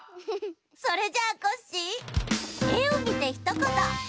それじゃあコッシーえをみてひとこと！